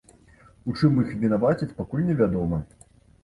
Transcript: У чым іх вінавацяць, пакуль невядома.